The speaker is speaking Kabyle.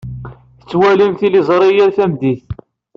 Tettwalim tiliẓri yal tameddit.